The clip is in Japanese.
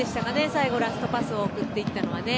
最後ラストパスを送ってきたのはね。